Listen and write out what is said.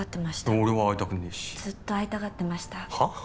俺は会いたくねえしずっと会いたがってましたはっ？